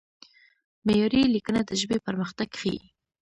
معیاري لیکنه د ژبې پرمختګ ښيي.